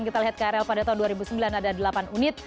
kita lihat krl pada tahun dua ribu sembilan ada delapan unit